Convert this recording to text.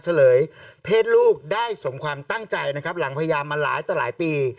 เสร่าเพศลูกได้สมความตั้งใจหลังพยายามมาหลายปี